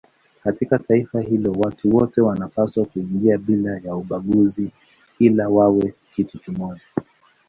Katika taifa hilo watu wote wanapaswa kuingia bila ya ubaguzi ili wawe kitu kimoja.